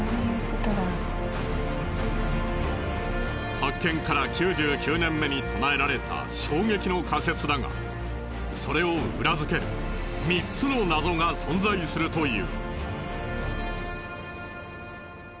発見から９９年目に唱えられた衝撃の仮説だがそれを裏付ける３つの謎が存在するという。